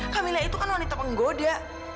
kamila itu kan wanita penggoda